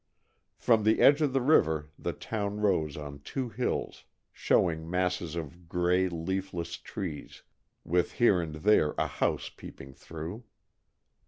From the edge of the river the town rose on two hills, showing masses of gray, leafless trees, with here and there a house peeping through.